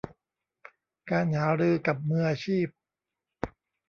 การหารือกับมืออาชีพ